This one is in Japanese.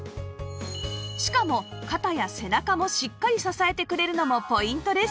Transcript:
しかも肩や背中もしっかり支えてくれるのもポイントです